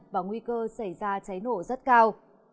và nguy cơ xảy ra cháy nổ rất cao